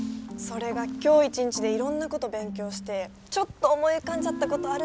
今日一日でいろんなこと勉強してちょっと思い浮かんじゃったことあるんですよね。